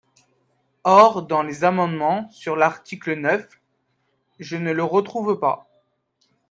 Or dans les amendements sur l’article neuf, je ne le retrouve pas.